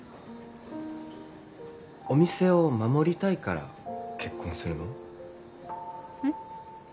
お店を守りたいから結婚するの？え？